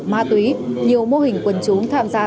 ma túy nhiều mô hình quân chúng tham gia